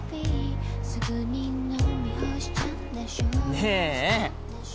ねえ！